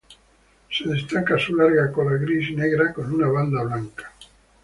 Se destaca su larga cola gris y negra con una banda blanca.